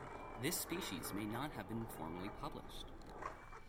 This species may not have been formally published.